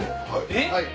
えっ！